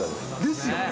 ですよね。